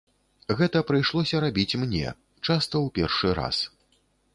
Гэта прыйшлося рабіць мне, часта ў першы раз.